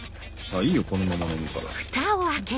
いいよこのまま飲むから。